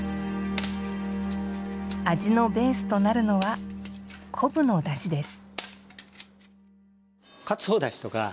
味のベースとなるのは昆布のだしです。